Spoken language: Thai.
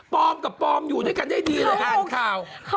กับปลอมอยู่ด้วยกันได้ดีเลยอ่านข่าว